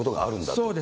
そうです。